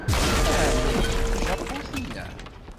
Ɛni n Japu tina?